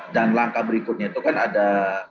dan langkah berikutnya itu kan ada